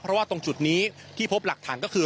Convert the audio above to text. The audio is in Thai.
เพราะว่าตรงจุดนี้ที่พบหลักฐานก็คือ